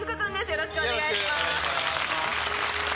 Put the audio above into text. よろしくお願いします。